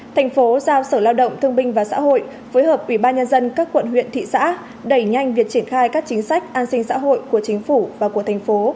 thành phố giao sở lao động thương binh và xã hội phối hợp ubnd các quận huyện thị xã đẩy nhanh việc triển khai các chính sách an sinh xã hội của chính phủ và của thành phố